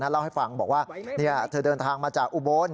เล่าให้ฟังบอกว่าเธอเดินทางมาจากอุบล